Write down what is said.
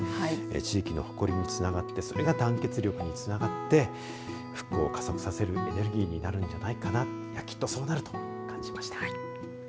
地域の誇りにつながってそれが団結力につながって復興を加速させるエネルギーになるんじゃないかなきっとそうなると感じました。